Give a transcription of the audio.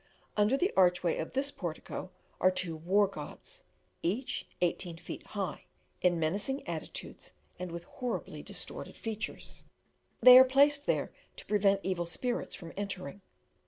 Under the archway of this portico are two War Gods, each eighteen feet high, in menacing attitudes, and with horribly distorted features. They are placed there to prevent evil spirits from entering.